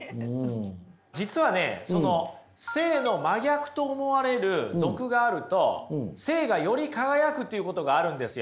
実はねその聖の真逆と思われる俗があると聖がより輝くということがあるんですよ。